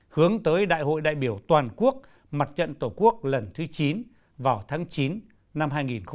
hướng tới đại hội đại biểu toàn quốc mặt trận tổ quốc lần thứ chín vào tháng chín năm hai nghìn một mươi chín